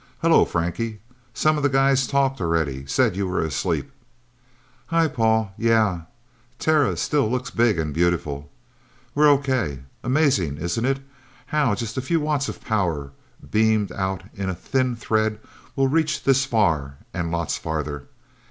"Hello, Frankie. Some of the guys talked already said you were asleep." "Hi, Paul yeah! Terra still looks big and beautiful. We're okay. Amazing, isn't it, how just a few watts of power, beamed out in a thin thread, will reach this far, and lots farther?